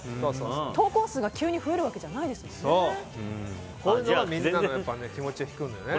投稿数が急に増えるわけじゃないですもんね。